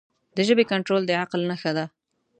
د ژبې کنټرول د عقل نښه ده.